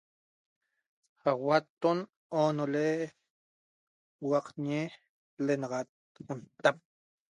Sauatton onele huaqajñi lenaxat n'tap